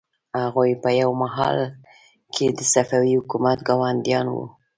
هغوی په یوه مهال کې د صفوي حکومت ګاونډیان وو.